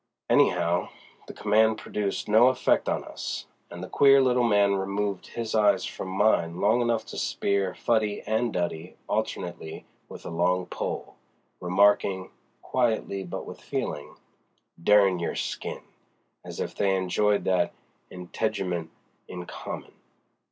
Anyhow the command produced no effect on us, and the queer little man removed his eyes from mine long enough to spear Fuddy and Duddy alternately with a long pole, remarking, quietly but with feeling: "Dern your skin," as if they enjoyed that integument in common.